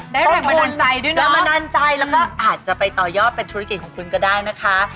ได้แบบแบบมาดันใจด้วยเนอะแล้วมาดันใจแล้วก็อาจจะไปต่อยอบเป็นธุรกิจของคุณก็ได้นะคะ